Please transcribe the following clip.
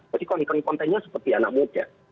tapi content nya seperti anak muda